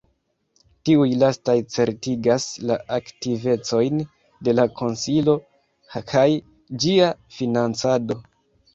Tiuj lastaj certigas la aktivecojn de la konsilo kaj ĝia financado.